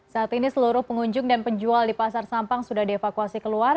saat ini seluruh pengunjung dan penjual di pasar sampang sudah dievakuasi keluar